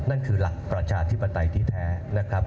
นั่นคือหลักประชาธิปไตยที่แท้นะครับ